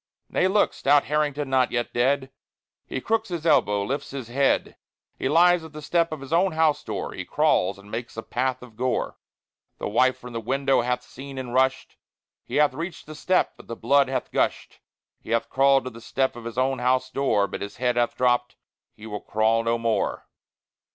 Nay, look! Stout Harrington not yet dead!_ He crooks his elbow, lifts his head. He lies at the step of his own house door; He crawls and makes a path of gore. The wife from the window hath seen, and rushed; He hath reached the step, but the blood hath gushed; He hath crawled to the step of his own house door, But his head hath dropped: he will crawl no more.